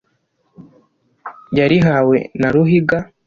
yarihawe na ruhiga.